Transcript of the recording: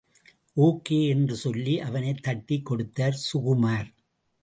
Okay! என்று சொல்லி அவனைத் தட்டிக் கொடுத்தார் சுகுமார்.